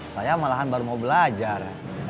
saya malahan baru mau belajar